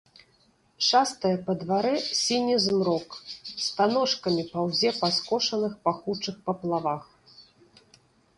Шастае па дварэ сіні змрок, станожкамі паўзе па скошаных пахучых паплавах.